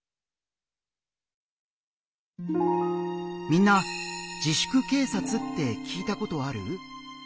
みんな「自粛警察」って聞いたことある？